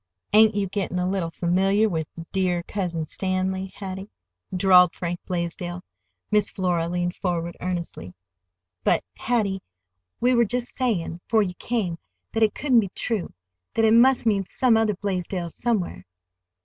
"Ain't you getting a little familiar with 'dear Cousin Stanley,' Hattie?" drawled Frank Blaisdell. Miss Flora leaned forward earnestly. "But, Hattie, we were just sayin', 'fore you came, that it couldn't be true; that it must mean some other Blaisdells somewhere."